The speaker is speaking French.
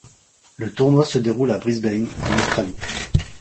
Le tournoi se déroule à Brisbane, en Australie.